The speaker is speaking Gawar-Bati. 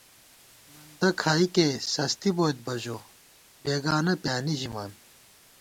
مندہ کھائیکے سستی بوئیت بہ ژو ، بېگانہ پیانی ژِمان